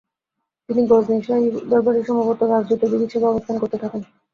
তিনি গাজনি শাহী দরবারে সম্ভবত রাজ জ্যোতির্বিদ হিসেবে অবস্থান করতে থাকেন।